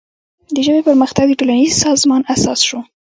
د ژبې پرمختګ د ټولنیز سازمان اساس شو.